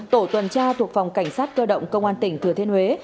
tổ tuần tra thuộc phòng cảnh sát cơ động công an tỉnh thừa thiên huế